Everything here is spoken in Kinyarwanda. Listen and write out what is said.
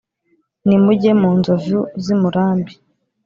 nimujye mu nzovu z' i murambi